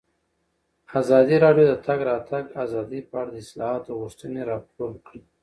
ازادي راډیو د د تګ راتګ ازادي په اړه د اصلاحاتو غوښتنې راپور کړې.